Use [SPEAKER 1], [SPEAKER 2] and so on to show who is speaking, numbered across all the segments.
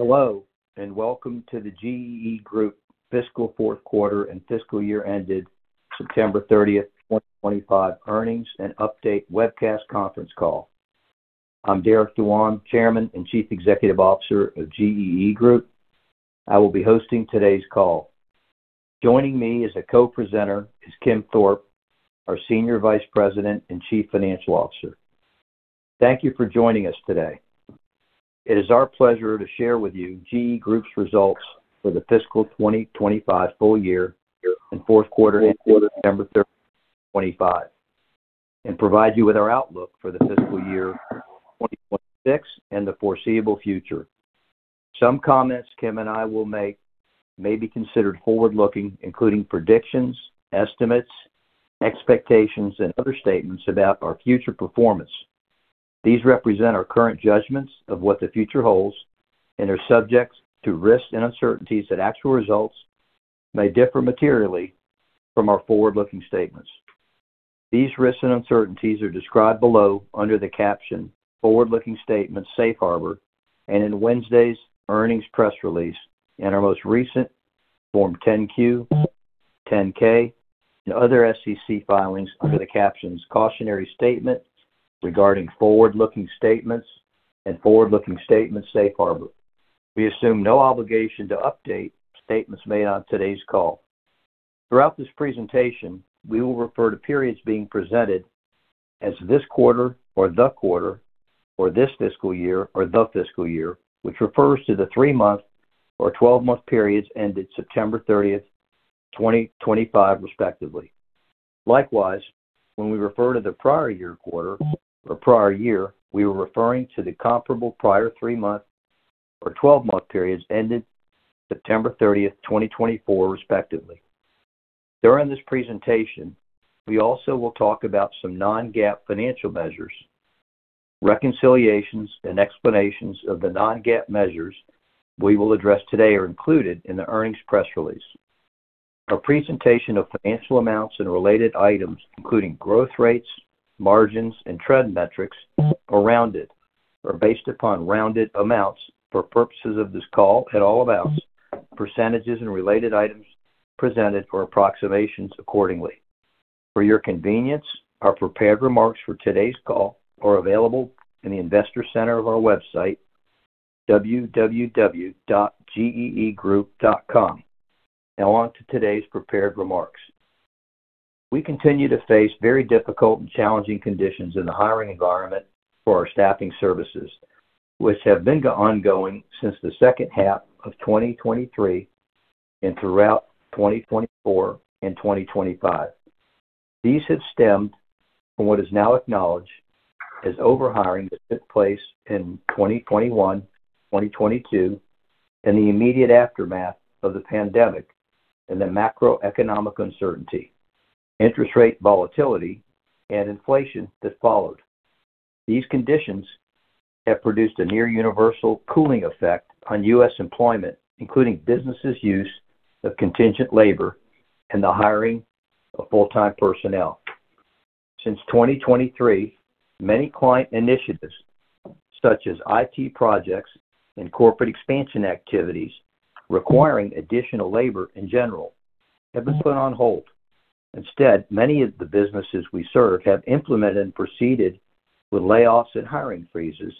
[SPEAKER 1] Hello, and welcome to the GEE Group Fiscal Fourth Quarter and Fiscal Year Ended, September 30, 2025, Earnings and Update webcast conference call. I'm Derek Dewan, Chairman and Chief Executive Officer of GEE Group. I will be hosting today's call. Joining me as a co-presenter is Kim Thorpe, our Senior Vice President and Chief Financial Officer. Thank you for joining us today. It is our pleasure to share with you GEE Group's results for the Fiscal 2025 full year and fourth quarter ended, September 30, 2025, and provide you with our outlook for the Fiscal Year 2026 and the foreseeable future. Some comments Kim and I will make may be considered forward-looking, including predictions, estimates, expectations, and other statements about our future performance. These represent our current judgments of what the future holds and are subject to risks and uncertainties that actual results may differ materially from our forward-looking statements. These risks and uncertainties are described below under the caption, "Forward-looking Statements, Safe Harbor," and in Wednesday's earnings press release and our most recent Form 10-Q, 10-K, and other SEC filings under the captions, "Cautionary Statement Regarding Forward-looking Statements" and "Forward-looking Statements, Safe Harbor." We assume no obligation to update statements made on today's call. Throughout this presentation, we will refer to periods being presented as this quarter or the quarter or this fiscal year or the fiscal year, which refers to the three-month or 12-month periods ended September 30, 2025, respectively. Likewise, when we refer to the prior year quarter or prior year, we are referring to the comparable prior three-month or 12-month periods ended September 30, 2024, respectively. During this presentation, we also will talk about some non-GAAP financial measures. Reconciliations and explanations of the non-GAAP measures we will address today are included in the earnings press release. Our presentation of financial amounts and related items, including growth rates, margins, and trend metrics, are rounded or based upon rounded amounts for purposes of this call and all amounts, percentages and related items presented for approximations accordingly. For your convenience, our prepared remarks for today's call are available in the investor center of our website, www.geegroup.com. Now on to today's prepared remarks. We continue to face very difficult and challenging conditions in the hiring environment for our staffing services, which have been ongoing since the second half of 2023 and throughout 2024 and 2025. These have stemmed from what is now acknowledged as overhiring that took place in 2021, 2022, and the immediate aftermath of the pandemic and the macroeconomic uncertainty, interest rate volatility, and inflation that followed. These conditions have produced a near-universal cooling effect on U.S. Employment, including businesses' use of contingent labor and the hiring of full-time personnel. Since 2023, many client initiatives, such as IT projects and corporate expansion activities requiring additional labor in general, have been put on hold. Instead, many of the businesses we serve have implemented and proceeded with layoffs and hiring freezes,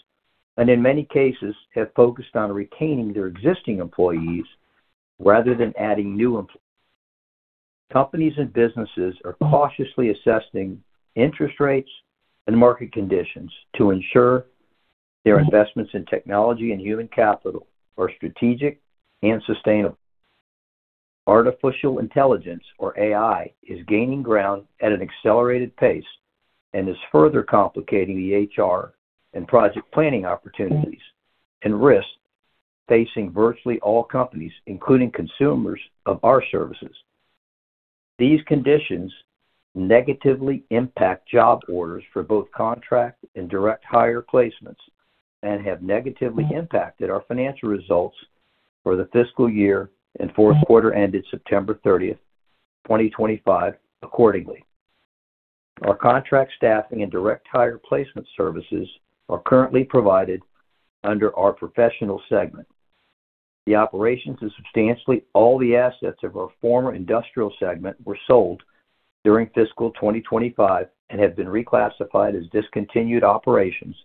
[SPEAKER 1] and in many cases, have focused on retaining their existing employees rather than adding new employees. Companies and businesses are cautiously assessing interest rates and market conditions to ensure their investments in technology and human capital are strategic and sustainable. Artificial intelligence, or AI, is gaining ground at an accelerated pace and is further complicating the HR and project planning opportunities and risks facing virtually all companies, including consumers of our services. These conditions negatively impact job orders for both contract and direct hire placements and have negatively impacted our financial results for the fiscal year and fourth quarter ended September 30, 2025, accordingly. Our contract staffing and direct hire placement services are currently provided under our professional segment. The operations that substantially all the assets of our former industrial segment were sold during fiscal 2025 and have been reclassified as discontinued operations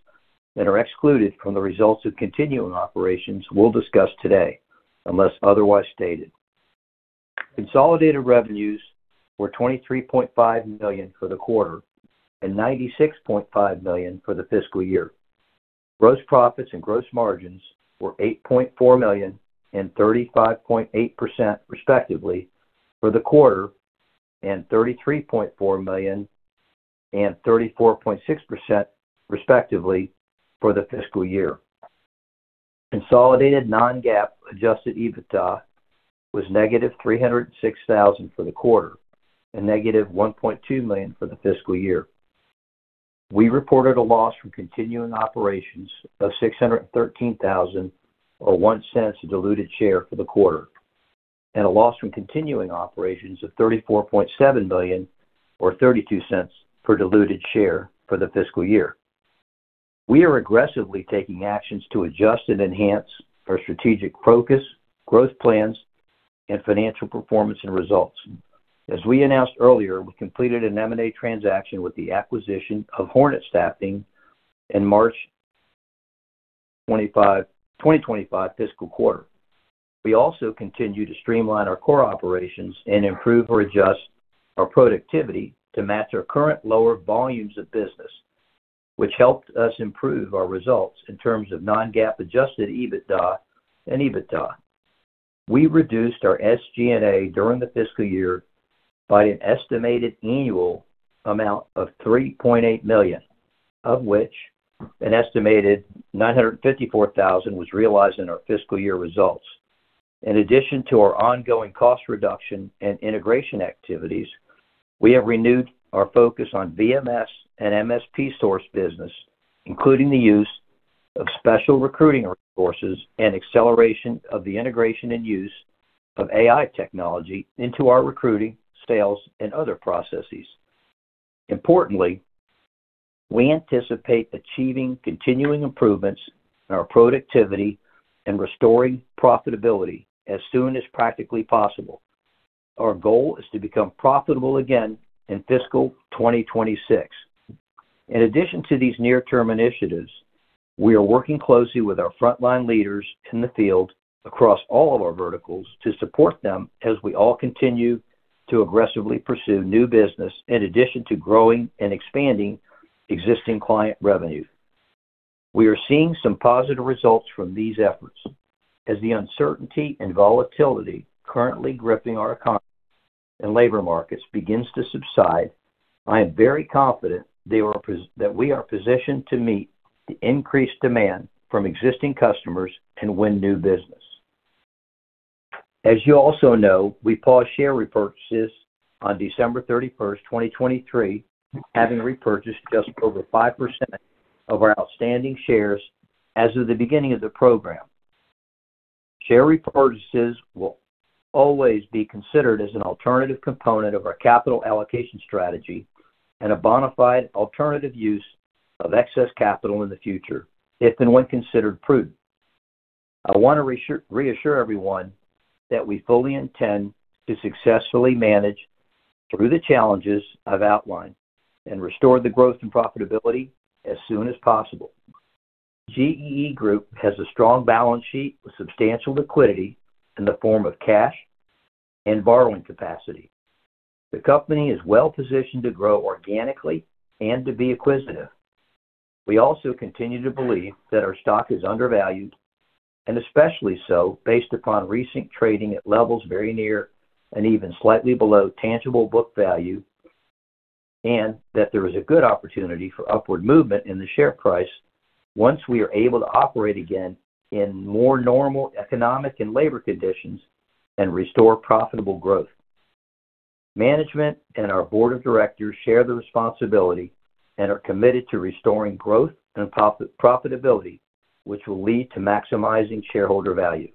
[SPEAKER 1] and are excluded from the results of continuing operations we'll discuss today, unless otherwise stated. Consolidated revenues were $23.5 million for the quarter and $96.5 million for the fiscal year. Gross profits and gross margins were $8.4 million and 35.8%, respectively, for the quarter and $33.4 million and 34.6%, respectively, for the fiscal year. Consolidated Non-GAAP adjusted EBITDA was negative $306,000 for the quarter and negative $1.2 million for the fiscal year. We reported a loss from continuing operations of $613,000 or $0.01 per diluted share for the quarter and a loss from continuing operations of $34.7 million or $0.32 per diluted share for the fiscal year. We are aggressively taking actions to adjust and enhance our strategic focus, growth plans, and financial performance and results. As we announced earlier, we completed an M&A transaction with the acquisition of Hornet Staffing in March 2025 fiscal quarter. We also continue to streamline our core operations and improve or adjust our productivity to match our current lower volumes of business, which helped us improve our results in terms of non-GAAP adjusted EBITDA and EBITDA. We reduced our SG&A during the fiscal year by an estimated annual amount of $3.8 million, of which an estimated $954,000 was realized in our fiscal year results. In addition to our ongoing cost reduction and integration activities, we have renewed our focus on VMS and MSP source business, including the use of special recruiting resources and acceleration of the integration and use of AI technology into our recruiting, sales, and other processes. Importantly, we anticipate achieving continuing improvements in our productivity and restoring profitability as soon as practically possible. Our goal is to become profitable again in fiscal 2026. In addition to these near-term initiatives, we are working closely with our frontline leaders in the field across all of our verticals to support them as we all continue to aggressively pursue new business in addition to growing and expanding existing client revenue. We are seeing some positive results from these efforts. As the uncertainty and volatility currently gripping our economy and labor markets begins to subside, I am very confident that we are positioned to meet the increased demand from existing customers and win new business. As you also know, we paused share repurchases on December 31, 2023, having repurchased just over 5% of our outstanding shares as of the beginning of the program. Share repurchases will always be considered as an alternative component of our capital allocation strategy and a bona fide alternative use of excess capital in the future if and when considered prudent. I want to reassure everyone that we fully intend to successfully manage through the challenges I've outlined and restore the growth and profitability as soon as possible. GEE Group has a strong balance sheet with substantial liquidity in the form of cash and borrowing capacity. The company is well positioned to grow organically and to be acquisitive. We also continue to believe that our stock is undervalued, and especially so based upon recent trading at levels very near and even slightly below tangible book value, and that there is a good opportunity for upward movement in the share price once we are able to operate again in more normal economic and labor conditions and restore profitable growth. Management and our board of directors share the responsibility and are committed to restoring growth and profitability, which will lead to maximizing shareholder value.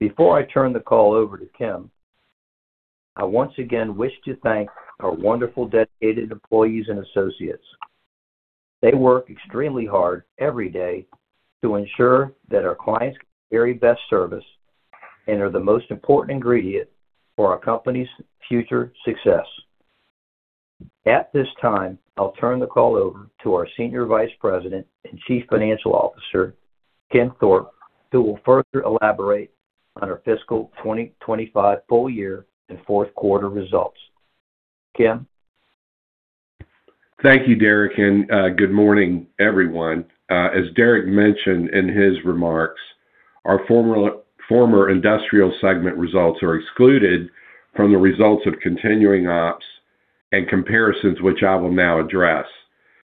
[SPEAKER 1] Before I turn the call over to Kim, I once again wish to thank our wonderful dedicated employees and associates. They work extremely hard every day to ensure that our clients get the very best service and are the most important ingredient for our company's future success. At this time, I'll turn the call over to our Senior Vice President and Chief Financial Officer, Kim Thorpe, who will further elaborate on our fiscal 2025 full year and fourth quarter results. Kim?
[SPEAKER 2] Thank you, Derek, and good morning, everyone. As Derek mentioned in his remarks, our former industrial segment results are excluded from the results of continuing ops and comparisons, which I will now address.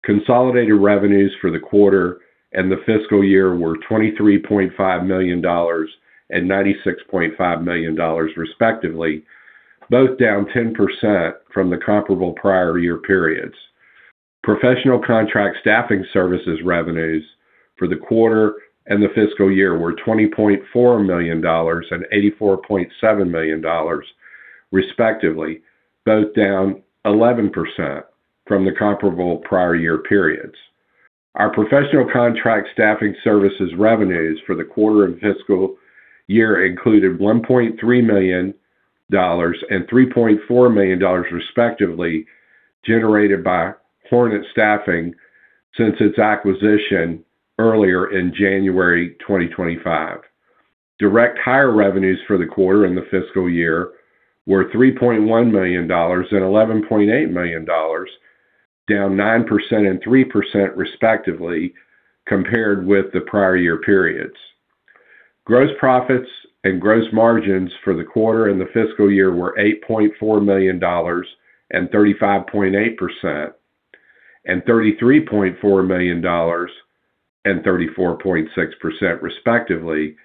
[SPEAKER 2] Consolidated revenues for the quarter and the fiscal year were $23.5 million and $96.5 million, respectively, both down 10% from the comparable prior year periods. Professional contract staffing services revenues for the quarter and the fiscal year were $20.4 million and $84.7 million, respectively, both down 11% from the comparable prior year periods. Our professional contract staffing services revenues for the quarter and fiscal year included $1.3 million and $3.4 million, respectively, generated by Hornet Staffing since its acquisition earlier in January 2025. Direct hire revenues for the quarter and the fiscal year were $3.1 million and $11.8 million, down 9% and 3%, respectively, compared with the prior year periods. Gross profits and gross margins for the quarter and the fiscal year were $8.4 million and 35.8% and $33.4 million and 34.6%, respectively,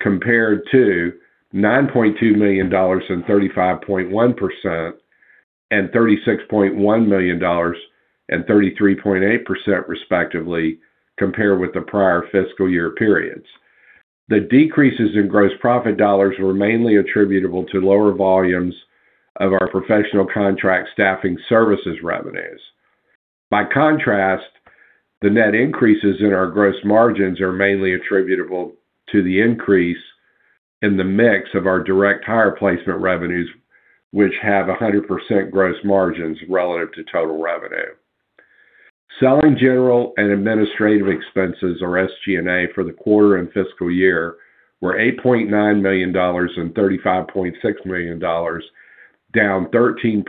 [SPEAKER 2] compared to $9.2 million and 35.1% and $36.1 million and 33.8%, respectively, compared with the prior fiscal year periods. The decreases in gross profit dollars were mainly attributable to lower volumes of our professional contract staffing services revenues. By contrast, the net increases in our gross margins are mainly attributable to the increase in the mix of our direct hire placement revenues, which have 100% gross margins relative to total revenue. Selling general and administrative expenses, or SG&A, for the quarter and fiscal year were $8.9 million and $35.6 million, down 13%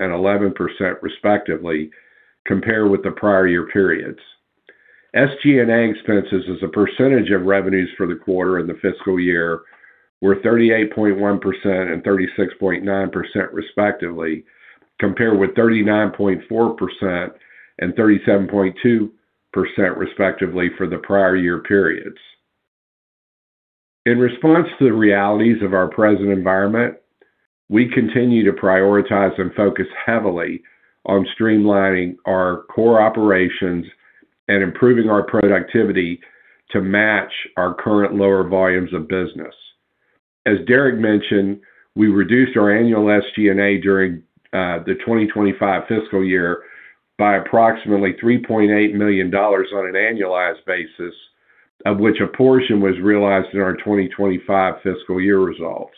[SPEAKER 2] and 11%, respectively, compared with the prior year periods. SG&A expenses, as a percentage of revenues for the quarter and the fiscal year, were 38.1% and 36.9%, respectively, compared with 39.4% and 37.2%, respectively, for the prior year periods. In response to the realities of our present environment, we continue to prioritize and focus heavily on streamlining our core operations and improving our productivity to match our current lower volumes of business. As Derek mentioned, we reduced our annual SG&A during the 2025 fiscal year by approximately $3.8 million on an annualized basis, of which a portion was realized in our 2025 fiscal year results,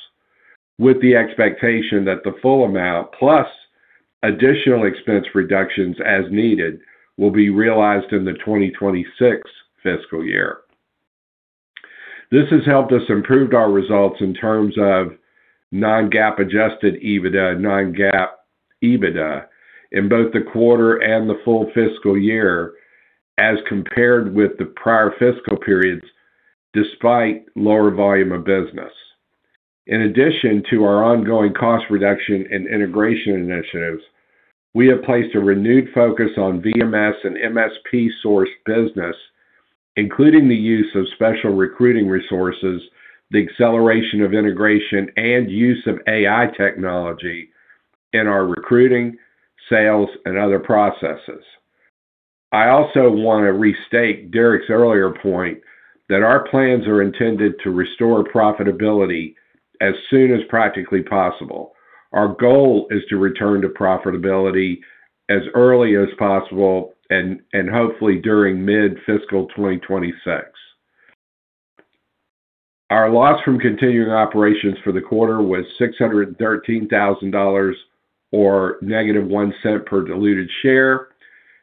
[SPEAKER 2] with the expectation that the full amount, plus additional expense reductions as needed, will be realized in the 2026 fiscal year. This has helped us improve our results in terms of non-GAAP adjusted EBITDA and non-GAAP EBITDA in both the quarter and the full fiscal year as compared with the prior fiscal periods, despite lower volume of business. In addition to our ongoing cost reduction and integration initiatives, we have placed a renewed focus on VMS and MSP sourced business, including the use of special recruiting resources, the acceleration of integration, and use of AI technology in our recruiting, sales, and other processes. I also want to restate Derek's earlier point that our plans are intended to restore profitability as soon as practically possible. Our goal is to return to profitability as early as possible and hopefully during mid-fiscal 2026. Our loss from continuing operations for the quarter was $613,000 or negative $0.01 per diluted share,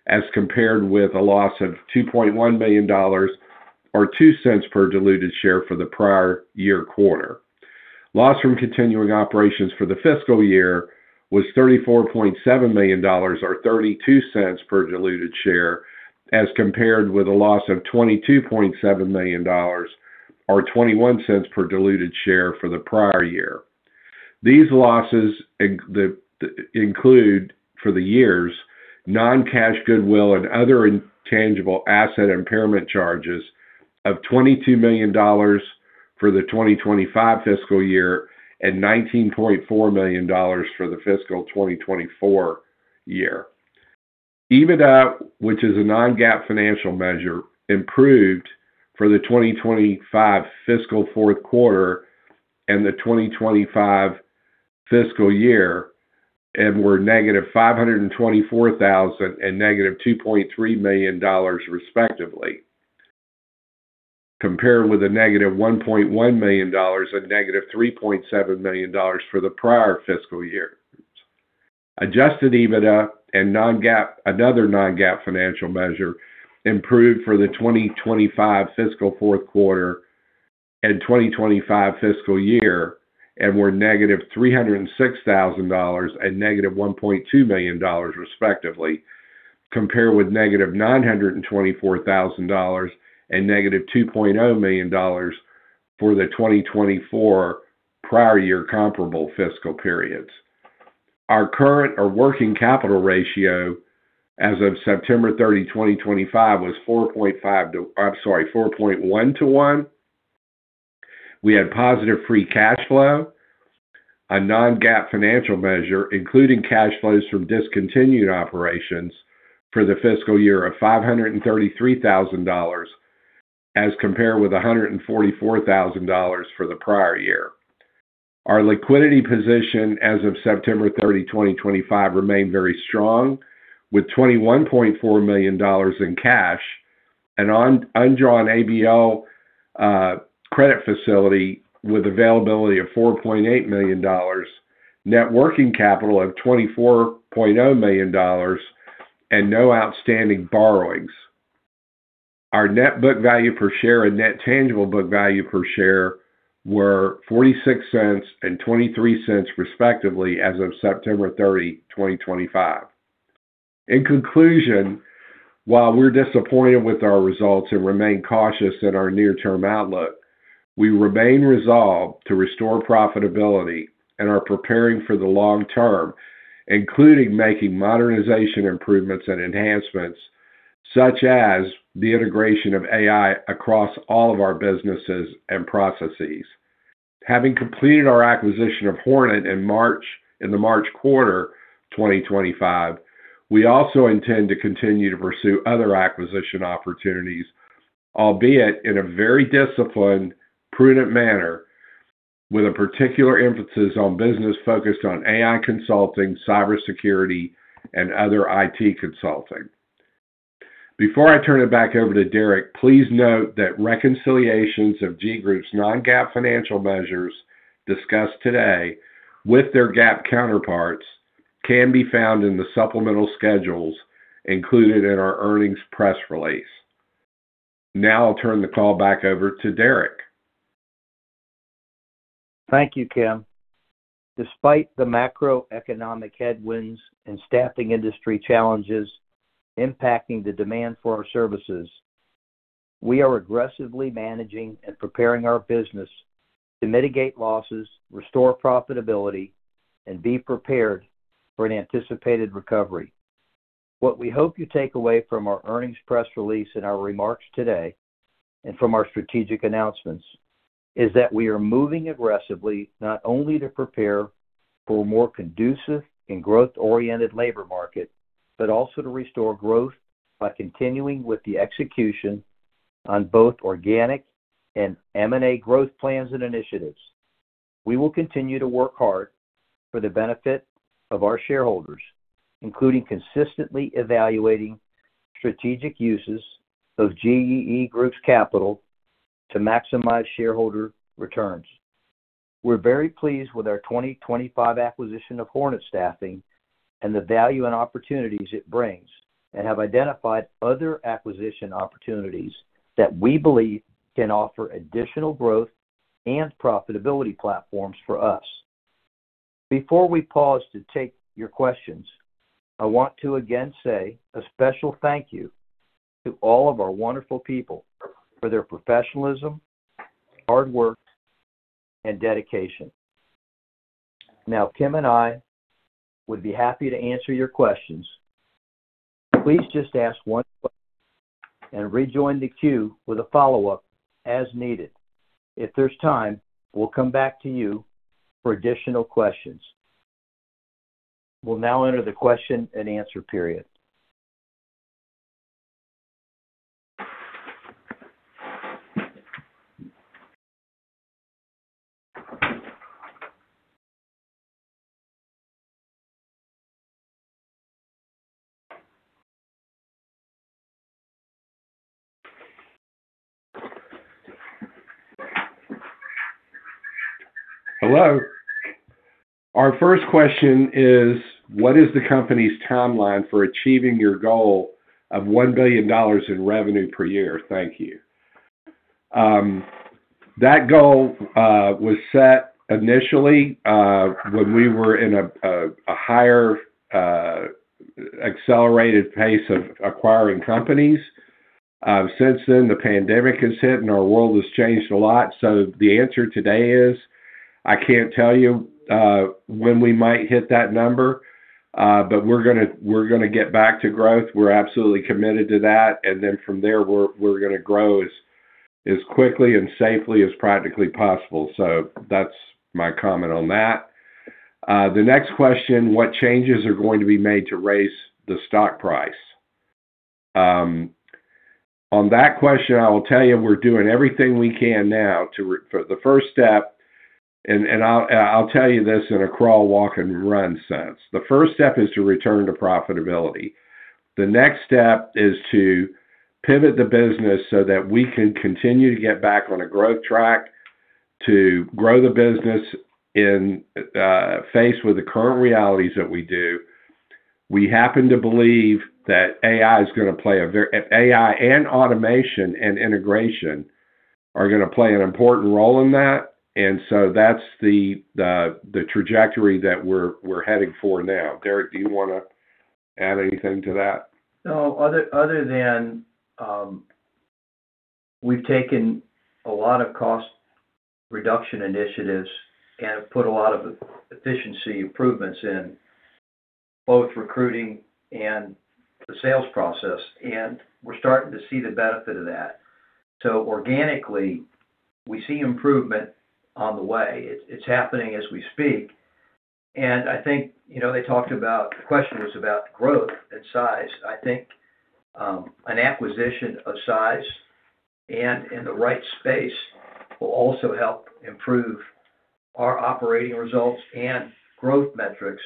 [SPEAKER 2] as compared with a loss of $2.1 million or negative $0.02 per diluted share for the prior year quarter. Loss from continuing operations for the fiscal year was $34.7 million or negative $0.32 per diluted share, as compared with a loss of $22.7 million or negative $0.21 per diluted share for the prior year. These losses include for the years non-cash goodwill and other intangible asset impairment charges of $22 million for the 2025 fiscal year and $19.4 million for the fiscal 2024 year. EBITDA, which is a non-GAAP financial measure, improved for the 2025 fiscal fourth quarter and the 2025 fiscal year and were negative $524,000 and negative $2.3 million, respectively, compared with a negative $1.1 million and negative $3.7 million for the prior fiscal year. Adjusted EBITDA and another non-GAAP financial measure improved for the 2025 fiscal fourth quarter and 2025 fiscal year and were negative $306,000 and negative $1.2 million, respectively, compared with negative $924,000 and negative $2.0 million for the 2024 prior year comparable fiscal periods. Our current or working capital ratio as of September 30, 2025, was 4.1 to 1. We had positive free cash flow, a non-GAAP financial measure, including cash flows from discontinued operations for the fiscal year of $533,000, as compared with $144,000 for the prior year. Our liquidity position as of September 30, 2025, remained very strong with $21.4 million in cash, an undrawn ABL credit facility with availability of $4.8 million, net working capital of $24.0 million, and no outstanding borrowings. Our net book value per share and net tangible book value per share were $0.46 and $0.23, respectively, as of September 30, 2025. In conclusion, while we're disappointed with our results and remain cautious in our near-term outlook, we remain resolved to restore profitability and are preparing for the long term, including making modernization improvements and enhancements such as the integration of AI across all of our businesses and processes. Having completed our acquisition of Hornet in the March quarter 2025, we also intend to continue to pursue other acquisition opportunities, albeit in a very disciplined, prudent manner, with a particular emphasis on business focused on AI consulting, cybersecurity, and other IT consulting. Before I turn it back over to Derek, please note that reconciliations of GEE Group's non-GAAP financial measures discussed today with their GAAP counterparts can be found in the supplemental schedules included in our earnings press release. Now I'll turn the call back over to Derek.
[SPEAKER 1] Thank you, Kim. Despite the macroeconomic headwinds and staffing industry challenges impacting the demand for our services, we are aggressively managing and preparing our business to mitigate losses, restore profitability, and be prepared for an anticipated recovery. What we hope you take away from our earnings press release and our remarks today and from our strategic announcements is that we are moving aggressively not only to prepare for a more conducive and growth-oriented labor market, but also to restore growth by continuing with the execution on both organic and M&A growth plans and initiatives. We will continue to work hard for the benefit of our shareholders, including consistently evaluating strategic uses of GEE Group's capital to maximize shareholder returns. We're very pleased with our 2025 acquisition of Hornet Staffing and the value and opportunities it brings and have identified other acquisition opportunities that we believe can offer additional growth and profitability platforms for us. Before we pause to take your questions, I want to again say a special thank you to all of our wonderful people for their professionalism, hard work, and dedication. Now, Kim and I would be happy to answer your questions. Please just ask one question and rejoin the queue with a follow-up as needed. If there's time, we'll come back to you for additional questions. We'll now enter the question and answer period.
[SPEAKER 2] Hello. Our first question is, what is the company's timeline for achieving your goal of $1 billion in revenue per year? Thank you. That goal was set initially when we were in a higher accelerated pace of acquiring companies. Since then, the pandemic has hit and our world has changed a lot. So the answer today is I can't tell you when we might hit that number, but we're going to get back to growth. We're absolutely committed to that. And then from there, we're going to grow as quickly and safely as practically possible. So that's my comment on that. The next question, what changes are going to be made to raise the stock price? On that question, I will tell you we're doing everything we can now for the first step. And I'll tell you this in a crawl, walk, and run sense. The first step is to return to profitability. The next step is to pivot the business so that we can continue to get back on a growth track to grow the business in the face of the current realities that we do. We happen to believe that AI and automation and integration are going to play an important role in that. So that's the trajectory that we're heading for now. Derek, do you want to add anything to that?
[SPEAKER 1] No. Other than we've taken a lot of cost reduction initiatives and put a lot of efficiency improvements in both recruiting and the sales process, and we're starting to see the benefit of that, so organically, we see improvement on the way. It's happening as we speak, and I think they talked about the question was about growth and size. I think an acquisition of size and in the right space will also help improve our operating results and growth metrics,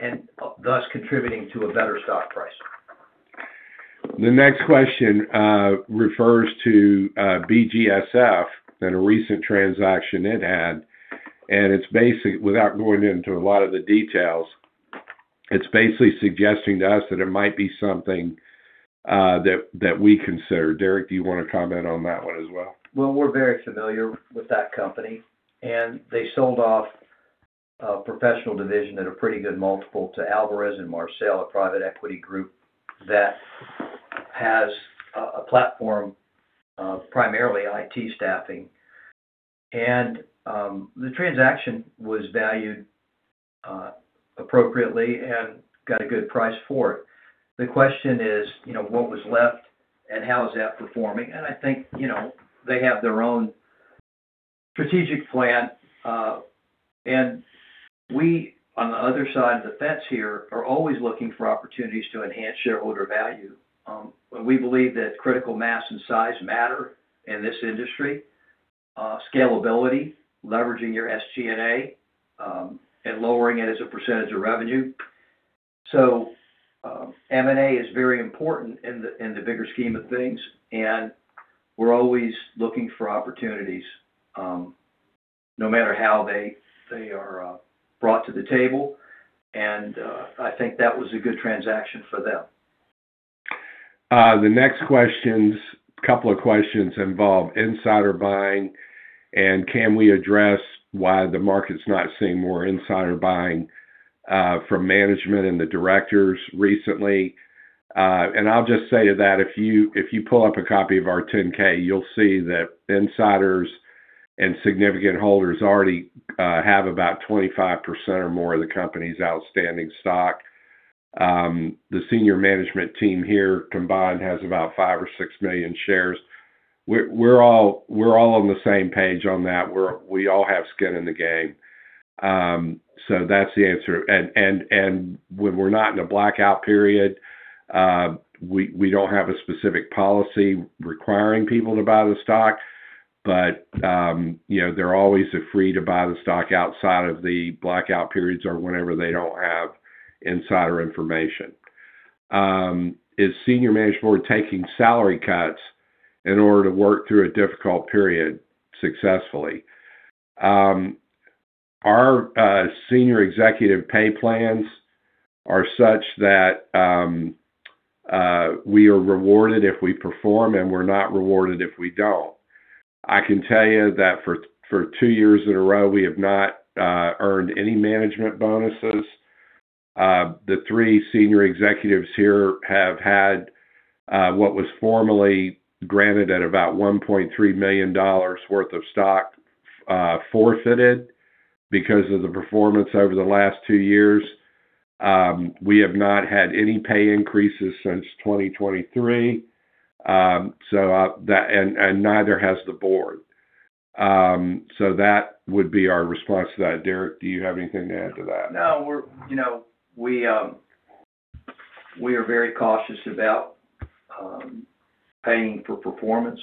[SPEAKER 1] and thus contributing to a better stock price.
[SPEAKER 2] The next question refers to BGSF and a recent transaction it had, and without going into a lot of the details, it's basically suggesting to us that it might be something that we consider. Derek, do you want to comment on that one as well?
[SPEAKER 1] Well, we're very familiar with that company. And they sold off a professional division at a pretty good multiple to Alvarez & Marsal, a private equity group that has a platform of primarily IT staffing. And the transaction was valued appropriately and got a good price for it. The question is, what was left and how is that performing? And I think they have their own strategic plan. And we, on the other side of the fence here, are always looking for opportunities to enhance shareholder value. We believe that critical mass and size matter in this industry: scalability, leveraging your SG&A, and lowering it as a percentage of revenue. So M&A is very important in the bigger scheme of things. And we're always looking for opportunities no matter how they are brought to the table. And I think that was a good transaction for them.
[SPEAKER 2] The next questions, a couple of questions involve insider buying. And can we address why the market's not seeing more insider buying from management and the directors recently? And I'll just say to that, if you pull up a copy of our 10-K, you'll see that insiders and significant holders already have about 25% or more of the company's outstanding stock. The senior management team here combined has about five or six million shares. We're all on the same page on that. We all have skin in the game. So that's the answer. And when we're not in a blackout period, we don't have a specific policy requiring people to buy the stock. But they're always free to buy the stock outside of the blackout periods or whenever they don't have insider information. Is senior management board taking salary cuts in order to work through a difficult period successfully? Our senior executive pay plans are such that we are rewarded if we perform, and we're not rewarded if we don't. I can tell you that for two years in a row, we have not earned any management bonuses. The three senior executives here have had what was formerly granted at about $1.3 million worth of stock forfeited because of the performance over the last two years. We have not had any pay increases since 2023, and neither has the board. So that would be our response to that. Derek, do you have anything to add to that?
[SPEAKER 1] No. We are very cautious about paying for performance,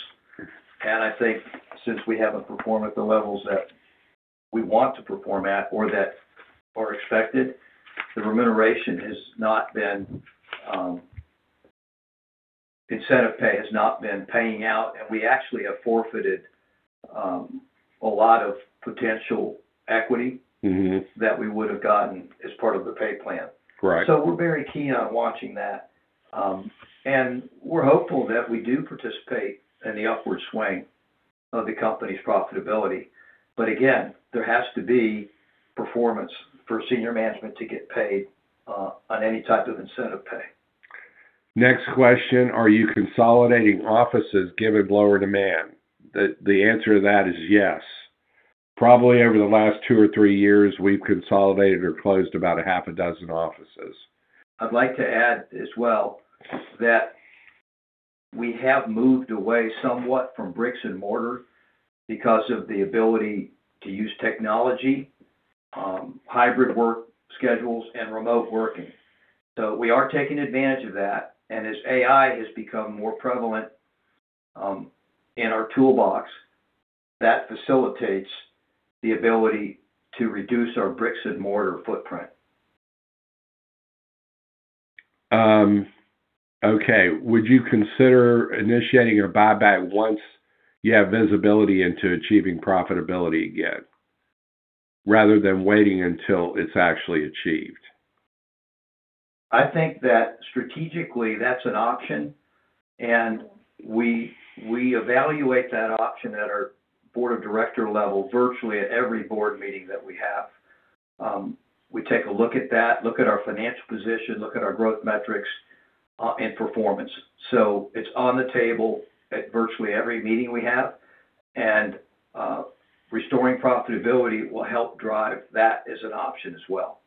[SPEAKER 1] and I think since we haven't performed at the levels that we want to perform at or that are expected, the remuneration has not been. Incentive pay has not been paying out, and we actually have forfeited a lot of potential equity that we would have gotten as part of the pay plan, so we're very keen on watching that, and we're hopeful that we do participate in the upward swing of the company's profitability, but again, there has to be performance for senior management to get paid on any type of incentive pay.
[SPEAKER 2] Next question, are you consolidating offices given lower demand? The answer to that is yes. Probably over the last two or three years, we've consolidated or closed about 6 offices.
[SPEAKER 1] I'd like to add as well that we have moved away somewhat from bricks and mortar because of the ability to use technology, hybrid work schedules, and remote working, so we are taking advantage of that, and as AI has become more prevalent in our toolbox, that facilitates the ability to reduce our bricks and mortar footprint.
[SPEAKER 2] Okay. Would you consider initiating a buyback once you have visibility into achieving profitability again, rather than waiting until it's actually achieved?
[SPEAKER 1] I think that strategically, that's an option, and we evaluate that option at our board of director level virtually at every board meeting that we have. We take a look at that, look at our financial position, look at our growth metrics, and performance, so it's on the table at virtually every meeting we have, and restoring profitability will help drive that as an option as well.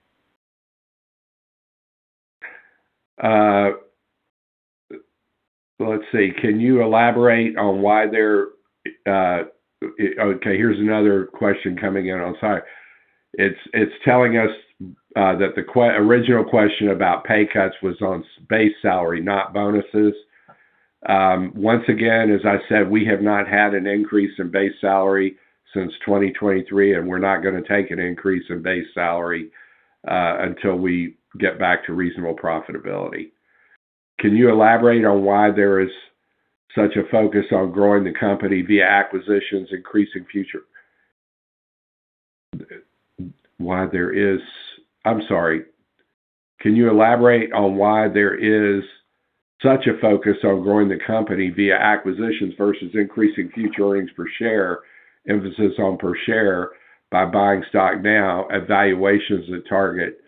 [SPEAKER 2] Let's see. Can you elaborate on why they're okay? Here's another question coming in. I'm sorry. It's telling us that the original question about pay cuts was on base salary, not bonuses. Once again, as I said, we have not had an increase in base salary since 2023, and we're not going to take an increase in base salary until we get back to reasonable profitability. Can you elaborate on why there is such a focus on growing the company via acquisitions versus increasing future earnings per share, emphasis on per share by buying stock now, valuations that target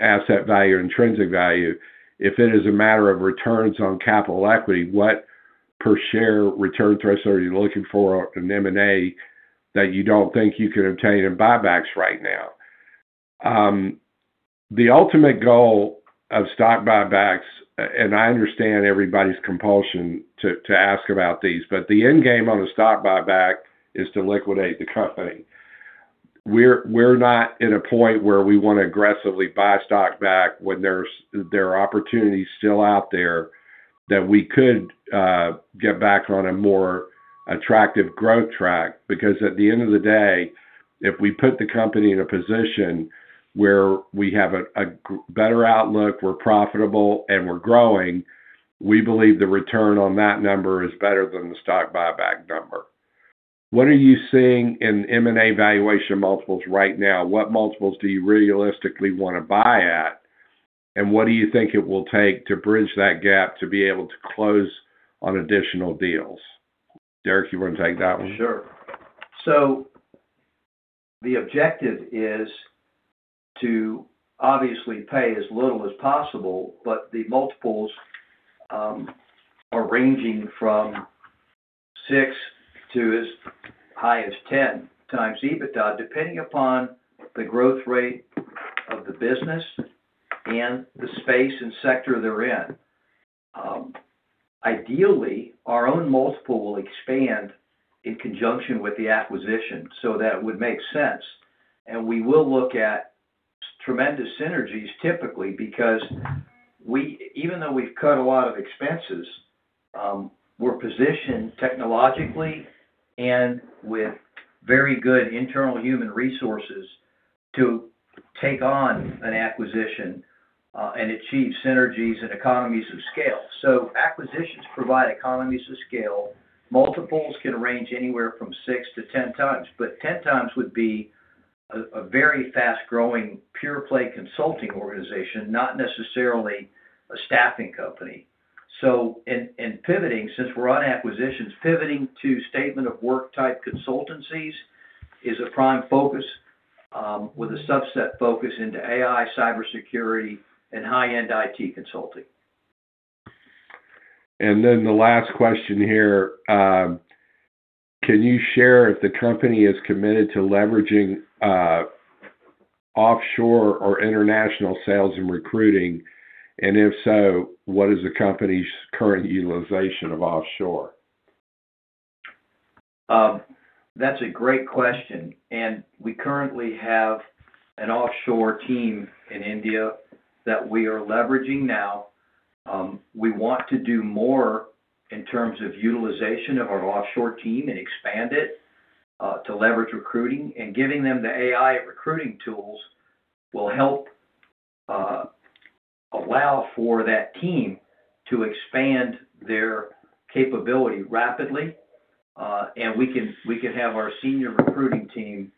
[SPEAKER 2] asset value, intrinsic value? If it is a matter of returns on capital equity, what per share return threshold are you looking for in M&A that you don't think you can obtain in buybacks right now? The ultimate goal of stock buybacks, and I understand everybody's compulsion to ask about these, but the end game on a stock buyback is to liquidate the company. We're not at a point where we want to aggressively buy stock back when there are opportunities still out there that we could get back on a more attractive growth track. Because at the end of the day, if we put the company in a position where we have a better outlook, we're profitable, and we're growing, we believe the return on that number is better than the stock buyback number. What are you seeing in M&A valuation multiples right now? What multiples do you realistically want to buy at? And what do you think it will take to bridge that gap to be able to close on additional deals? Derek, you want to take that one?
[SPEAKER 1] Sure. So the objective is to obviously pay as little as possible, but the multiples are ranging from six to as high as 10 times EBITDA, depending upon the growth rate of the business and the space and sector they're in. Ideally, our own multiple will expand in conjunction with the acquisition. So that would make sense. And we will look at tremendous synergies typically because even though we've cut a lot of expenses, we're positioned technologically and with very good internal human resources to take on an acquisition and achieve synergies and economies of scale. So acquisitions provide economies of scale. Multiples can range anywhere from six to 10 times. But 10 times would be a very fast-growing pure-play consulting organization, not necessarily a staffing company. In pivoting, since we're on acquisitions, pivoting to statement of work type consultancies is a prime focus with a subset focus into AI, cybersecurity, and high-end IT consulting.
[SPEAKER 2] Then the last question here. Can you share if the company is committed to leveraging offshore or international sales and recruiting? If so, what is the company's current utilization of offshore?
[SPEAKER 1] That's a great question, and we currently have an offshore team in India that we are leveraging now. We want to do more in terms of utilization of our offshore team and expand it to leverage recruiting, and giving them the AI recruiting tools will help allow for that team to expand their capability rapidly. And we can have our senior recruiting team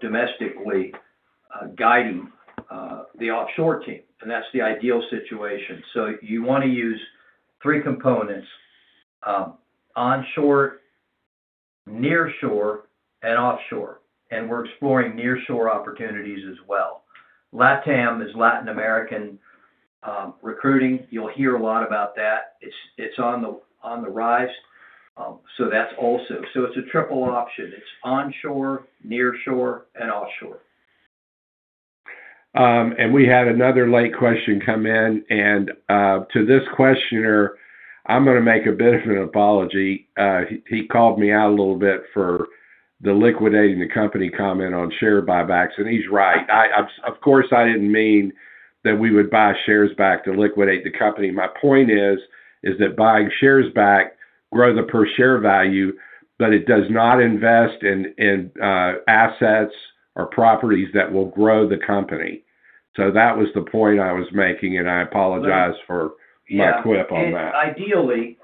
[SPEAKER 1] domestically guiding the offshore team, and that's the ideal situation, so you want to use three components: onshore, nearshore, and offshore, and we're exploring nearshore opportunities as well. LATAM is Latin American recruiting. You'll hear a lot about that. It's on the rise, so that's also. So it's a triple option. It's onshore, nearshore, and offshore.
[SPEAKER 2] And we had another late question come in. And to this questioner, I'm going to make a bit of an apology. He called me out a little bit for the liquidating the company comment on share buybacks. And he's right. Of course, I didn't mean that we would buy shares back to liquidate the company. My point is that buying shares back grows the per share value, but it does not invest in assets or properties that will grow the company. So that was the point I was making. And I apologize for my quip on that.
[SPEAKER 1] Ideally,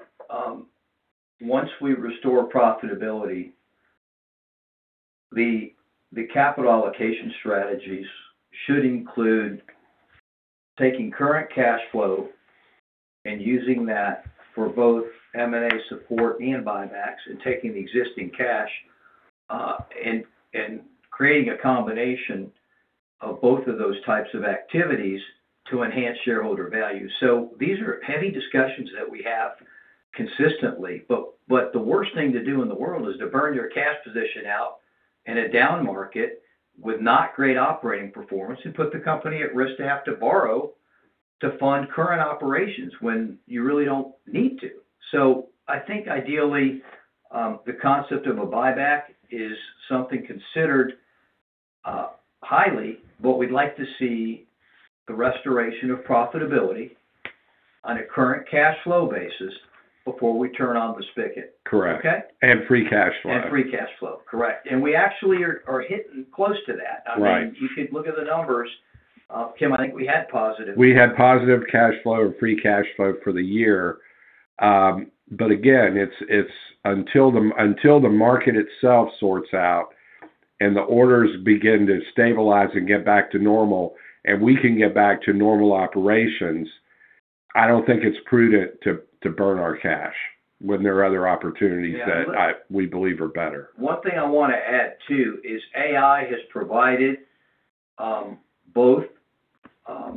[SPEAKER 1] once we restore profitability, the capital allocation strategies should include taking current cash flow and using that for both M&A support and buybacks and taking existing cash and creating a combination of both of those types of activities to enhance shareholder value, so these are heavy discussions that we have consistently, but the worst thing to do in the world is to burn your cash position out in a down market with not great operating performance and put the company at risk to have to borrow to fund current operations when you really don't need to, so I think ideally, the concept of a buyback is something considered highly, but we'd like to see the restoration of profitability on a current cash flow basis before we turn on the spigot.
[SPEAKER 2] Correct. And free cash flow.
[SPEAKER 1] And free cash flow. Correct. And we actually are hitting close to that. I mean, you could look at the numbers. Kim, I think we had positive.
[SPEAKER 2] We had positive cash flow and free cash flow for the year. But again, until the market itself sorts out and the orders begin to stabilize and get back to normal and we can get back to normal operations, I don't think it's prudent to burn our cash when there are other opportunities that we believe are better.
[SPEAKER 1] One thing I want to add too is AI has provided both a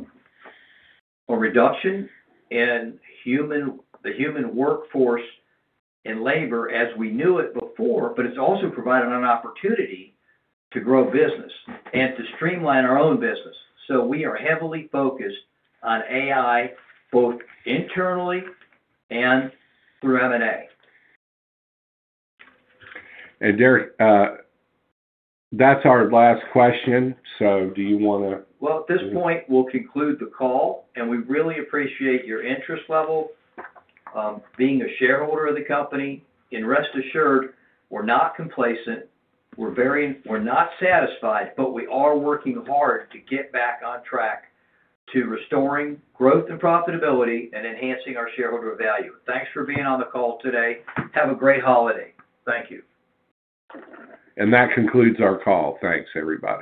[SPEAKER 1] reduction in the human workforce and labor as we knew it before, but it's also provided an opportunity to grow business and to streamline our own business. So we are heavily focused on AI both internally and through M&A.
[SPEAKER 2] And Derek, that's our last question. So do you want to?
[SPEAKER 1] At this point, we'll conclude the call. We really appreciate your interest level being a shareholder of the company. Rest assured, we're not complacent. We're not satisfied, but we are working hard to get back on track to restoring growth and profitability and enhancing our shareholder value. Thanks for being on the call today. Have a great holiday. Thank you.
[SPEAKER 2] That concludes our call. Thanks, everybody.